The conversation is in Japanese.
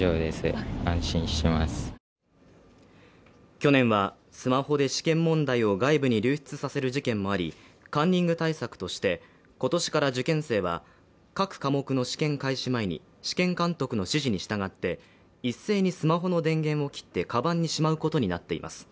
去年はスマホで試験問題を外部に流出させる事件もありカンニング対策として今年から受験生は各科目の試験開始前に試験監督の指示に従って一斉にスマホの電源を切ってカバンにしまうことになっています